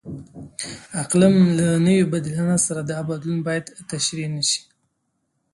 د اقلیم له نوي بدلانه سره دا بدلون باید تشریح نشي.